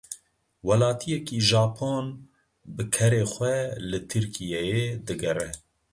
Welatiyekî Japon bi kerê xwe li Tirkiyeyê digere.